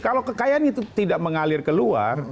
kalau kekayaan itu tidak mengalir ke luar